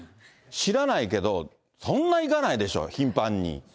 知らないけど、そんな行かないでしょ、頻繁に。